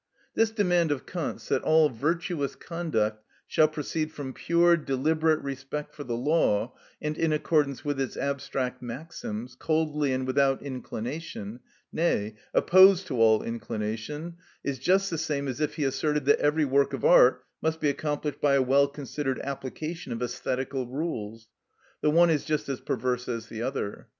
This demand of Kant's, that all virtuous conduct shall proceed from pure, deliberate respect for the law and in accordance with its abstract maxims, coldly and without inclination, nay, opposed to all inclination, is just the same thing as if he asserted that every work of art must be accomplished by a well considered application of æsthetical rules. The one is just as perverse as the other.